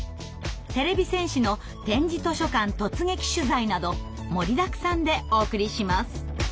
てれび戦士の「点字図書館突撃取材」など盛りだくさんでお送りします。